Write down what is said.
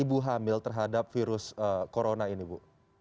ibu hamil terhadap virus corona ini bu